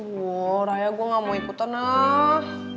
bo raya gue gak mau ikutan lah